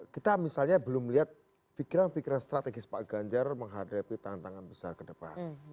kita misalnya belum melihat pikiran pikiran strategis pak ganjar menghadapi tantangan besar ke depan